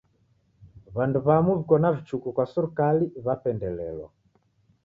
W'andu w'amu w'iko na vichuku kwa serikali w'apendelelwa.